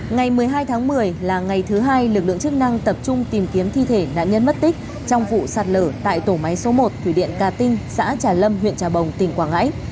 ngày một mươi hai tháng một mươi là ngày thứ hai lực lượng chức năng tập trung tìm kiếm thi thể nạn nhân mất tích trong vụ sạt lở tại tổ máy số một thủy điện cà tinh xã trà lâm huyện trà bồng tỉnh quảng ngãi